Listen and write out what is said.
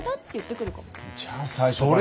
じゃあ最初から。